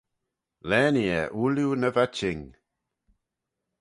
Laanee eh ooilley ny va çhing.